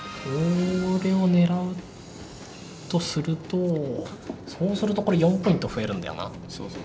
これを狙うとするとそうするとこれ４ポイント増えるんだよな。